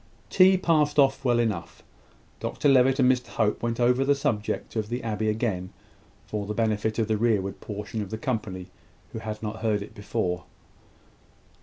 Tea passed off well enough. Dr Levitt and Mr Hope went over the subject of the abbey again, for the benefit of the rearward portion of the company, who had not heard it before.